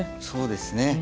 そうですね。